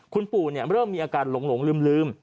คุณปู่เริ่มมีอาการหลงลืม